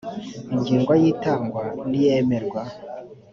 ingingo ya itangwa n iyemerwa